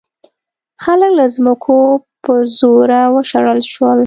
خلک له ځمکو په زوره وشړل شول.